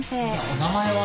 お名前は？